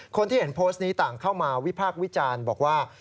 คนที่เห็นโพสต์นี้ต่างเข้ามาวิพากษ์วิจารณ์บอกว่า